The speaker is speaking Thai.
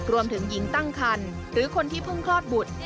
รวมถึงหญิงตั้งคันหรือคนที่เพิ่งคลอดบุตร